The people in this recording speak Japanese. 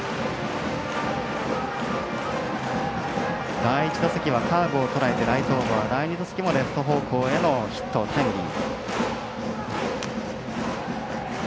第１打席はカーブをとらえてライトオーバー第２打席もレフト方向へのヒット、タイムリー。